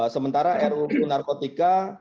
sementara ruu narkotika